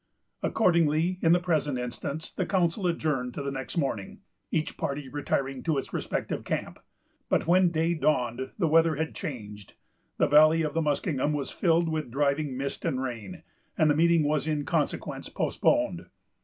Accordingly, in the present instance, the council adjourned to the next morning, each party retiring to its respective camp. But, when day dawned, the weather had changed. The valley of the Muskingum was filled with driving mist and rain, and the meeting was in consequence postponed.